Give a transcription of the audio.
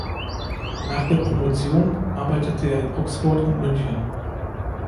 Nach der Promotion arbeitete er in Oxford und München.